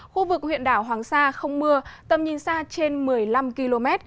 khu vực huyện đảo hoàng sa không mưa tầm nhìn xa trên một mươi năm km